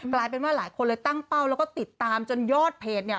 กลายเป็นว่าหลายคนเลยตั้งเป้าแล้วก็ติดตามจนยอดเพจเนี่ย